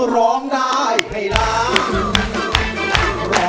ร้องได้ให้ร้อง